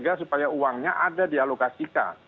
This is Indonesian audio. sehingga supaya uangnya ada dialokasikan